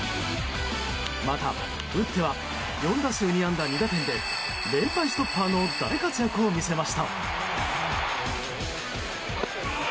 また、打っては４打数２安打２打点で連敗ストッパーの大活躍を見せました。